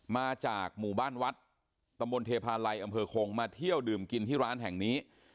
มาจากหมู่บ้านวัดตำบลเทพาลัยอำเภอคงมาเที่ยวดื่มกินที่ร้านแห่งนี้